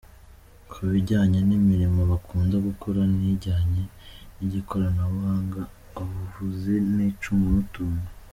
Ku bijyanye n’imirimo bakunda gukora, ni ijyanye n’ikoranabuhanga, ubuvuzi n’icungamutungo.